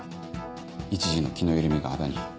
一時の気の緩みがあだに。